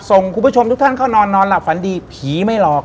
ส่งคุณผู้ชมทุกท่านเข้านอนนอนหลับฝันดีผีไม่หลอก